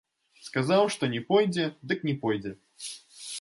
Сказаў, што не пойдзе, дык не пойдзе.